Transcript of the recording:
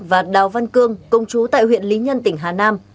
và đào văn cương công chú tại huyện lý nhân tỉnh hà nam